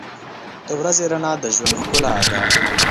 • د ورځې رڼا د ژوند ښکلا ده.